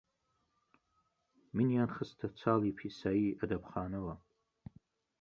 منیان خستە چاڵی پیسایی ئەدەبخانەوە،